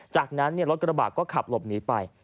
จากนั้นรถกระบะก็ขับหลบหนีไป